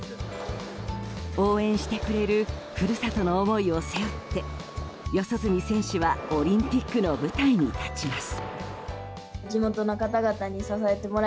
応援してくれる故郷の思いを背負って四十住選手はオリンピックの舞台に立ちます。